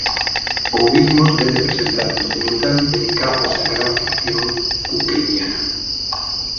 Ouvirmos vén de presentar un documental dedicado a esa gran ficción cunqueiriana.